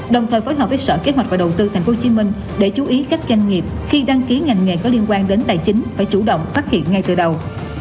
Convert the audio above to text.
đồng thời phối hợp với sở kế hoạch và đầu tư tp hcm để chú ý các doanh nghiệp khi đăng ký ngành nghề có liên quan đến tài chính phải chủ động phát hiện ngay từ đầu